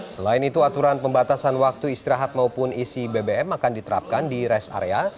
selain itu aturan pembatasan waktu istirahat maupun isi bbm akan diterapkan di rest area